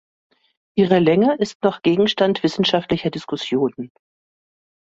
Ihre Länge ist noch Gegenstand wissenschaftlicher Diskussionen.